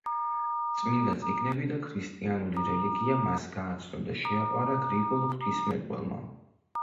წმინდა წიგნები და ქრისტიანული რელიგია მას გააცნო და შეაყვარა გრიგოლ ღვთისმეტყველმა.